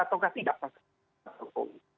atau tidak pak jokowi